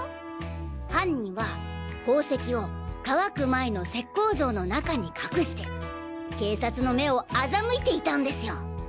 犯人は宝石を乾く前の石膏像の中に隠して警察の目をあざむいていたんですよ。